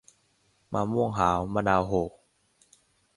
มะม่วงหาว มะนาวโห่